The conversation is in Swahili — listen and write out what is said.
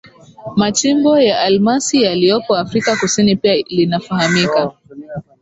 machimbo ya almasi yaliyopo Afrika Kusini Pia linafahamika